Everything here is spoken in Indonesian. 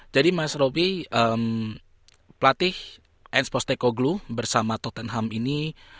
jadi mas roby pelatih ens posteko glue bersama tottenham ini